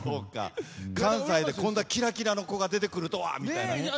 こんだけキラキラの子が出てくるとはみたいな。